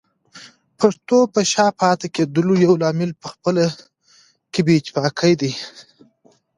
پښتنو په شا پاتې کېدلو يو لامل پخپله کې بې اتفاقي ده